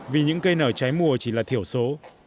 vì những cây nở trái mùa chỉ là thiểu số